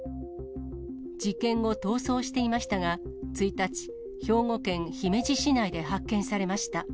事件後、逃走していましたが、１日、兵庫県姫路市内で発見されました。